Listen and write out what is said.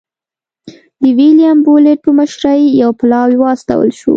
د ویلیم بولېټ په مشرۍ یو پلاوی واستول شو.